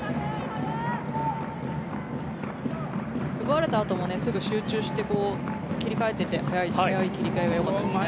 奪われたあともすごく集中して切り替えていって速い切り替えがよかったですね。